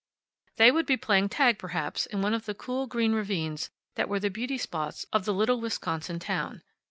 They would be playing tag, perhaps, in one of the cool, green ravines that were the beauty spots of the little Wisconsin town.